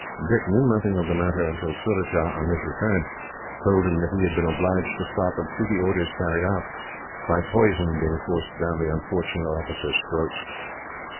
Dick knew nothing of the matter until Surajah, on his return, told him that he had been obliged to stop and see the orders carried out, by poison being forced down the unfortunate officers' throats.